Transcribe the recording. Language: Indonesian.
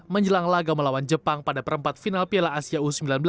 menjelang laga melawan jepang pada perempat final piala asia u sembilan belas